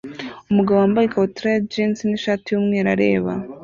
Umugabo wambaye ikabutura ya jean nishati yumweru areba